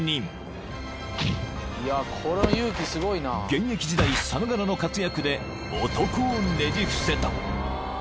［現役時代さながらの活躍で男をねじ伏せた］